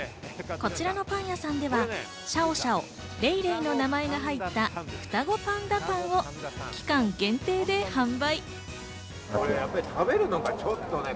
こちらのパン屋さんでは、シャオシャオ、レイレイの名前の入った、ふたごパンダパンを期間限定で販売。